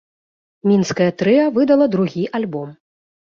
Мінскае трыа выдала другі альбом.